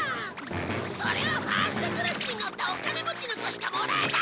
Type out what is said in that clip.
それはファーストクラスに乗ったお金持ちの子しかもらえないんだぞ！